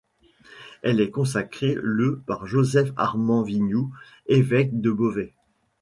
Elle est consacrée le par Joseph-Armand Gignoux, évêque de Beauvais.